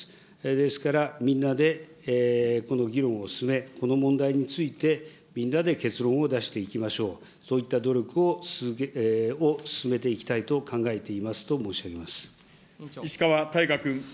ですから、みんなでこの議論を進め、この問題についてみんなで結論を出していきましょう、そういった努力を進めていきたいと考えてい石川大我君。